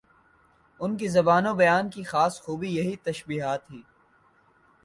ان کی زبان و بیان کی خاص خوبی یہی تشبیہات ہی